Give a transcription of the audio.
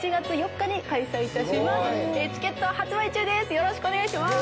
よろしくお願いします！